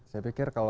saya pikir kalau